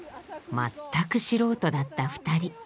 全く素人だった二人。